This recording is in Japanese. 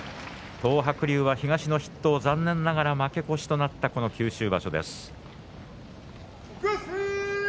東白龍は東の筆頭、残念ながら負け越しとなったこの九州場所です。